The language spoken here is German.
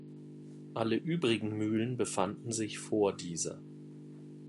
Alle übrigen Mühlen befanden sich vor dieser.